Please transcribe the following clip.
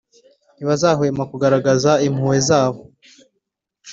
Ntibazahwema kugaragaza impamvu zabo